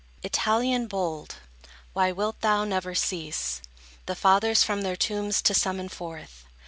Italian bold, why wilt thou never cease The fathers from their tombs to summon forth?